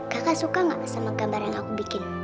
kakak suka gak sama gambar yang aku bikin